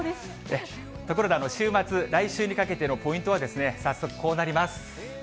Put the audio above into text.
ところで週末、来週にかけてのポイントはですね、早速こうなります。